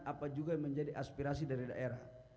apa juga yang menjadi aspirasi dari daerah